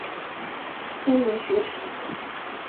三年学成。